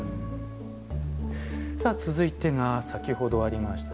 さあ、続いてが先ほどありました